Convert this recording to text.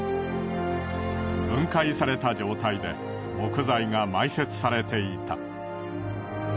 分解された状態で木材が埋設されていた。